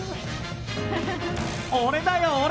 俺だよ俺！